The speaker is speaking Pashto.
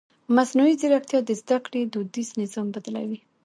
مصنوعي ځیرکتیا د زده کړې دودیز نظام بدلوي.